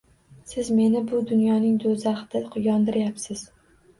Siz meni bu dunyoning do`zaxida yondiryapsiz